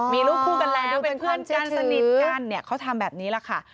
มีรูปคู่กันแล้วเป็นเพื่อนกันสนิทกันเขาทำแบบนี้แหละค่ะ